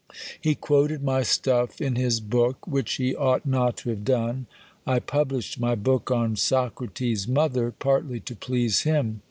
He quoted my "Stuff" in his book, which he ought not to have done. I published my book on Socrates' mother partly to please him.